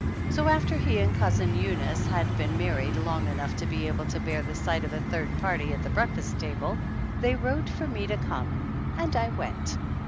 So after he and Cousin Eunice had been married long enough to be able to bear the sight of a third party at the breakfast table they wrote for me to come and I went.